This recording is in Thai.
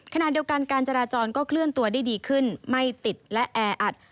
ขณะเดียวกันการจราจรก็เคลื่อนตัวได้ดีขึ้นไม่ติดและแออัด